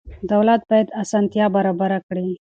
دولت باید اسانتیا برابره کړي.